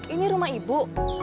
ini rumah ibu